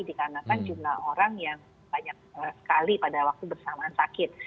dikarenakan jumlah orang yang banyak sekali pada waktu bersamaan sakit